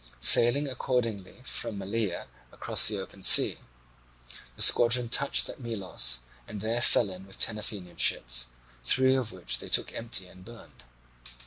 Sailing accordingly from Malea across the open sea, the squadron touched at Melos and there fell in with ten Athenian ships, three of which they took empty and burned.